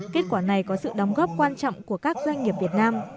kết quả này có sự đóng góp quan trọng của các doanh nghiệp việt nam